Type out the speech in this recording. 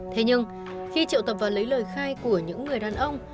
thế nhưng khi triệu tập và lấy lời khai của những người đàn ông